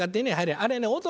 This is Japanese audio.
あれね男